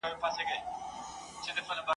کتاب ؛ ولسي، فکري، تېروتني!